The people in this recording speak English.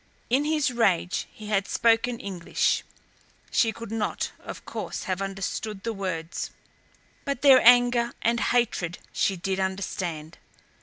In his rage he had spoken English; she could not, of course, have understood the words, but their anger and hatred she did understand.